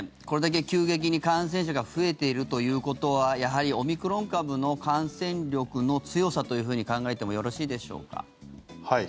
これだけ急激に感染者が増えているということはやはりオミクロン株の感染力の強さというふうに考えてもよろしいでしょうか。